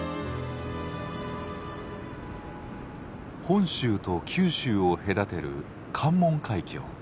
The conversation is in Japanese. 本州と九州を隔てる関門海峡。